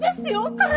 これ。